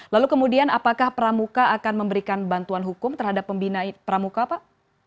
lalu kemudian apakah pramuka akan memberikan bantuan hukum terhadap pembina pramuka pak